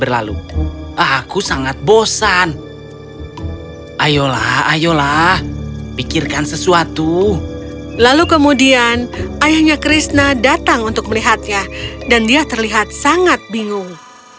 lalu kemudian ayahnya krishna datang untuk melihatnya dan dia terlihat sangat bingung